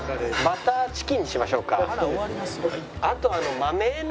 バターチキンにしましょうか。